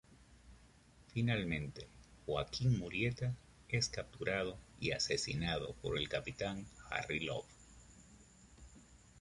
Finalmente, Joaquín Murieta es capturado y asesinado por el capitán Harry Love.